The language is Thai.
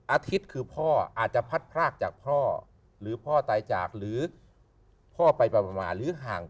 อาทิตย์คือพ่ออาจจะพัดพรากจากพ่อหรือพ่อตายจากหรือพ่อไปมาหรือห่าง